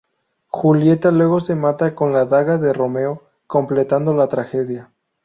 Julieta luego se mata con la daga de Romeo, completando la tragedia.